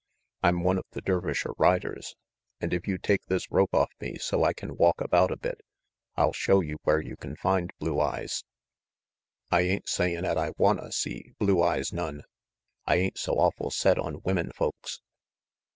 "I'm one of the Dervisher riders, and if you take this rope off me so I can walk about a bit, I'll show you where you can find Blue Eyes "I ain't sayin' 'at I wanta see Blue Eyes none. I ain't so awful set on women folks."